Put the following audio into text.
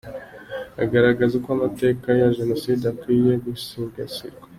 Agaragaza uko amateka ya Jenoside akwiriye gusigasirwa.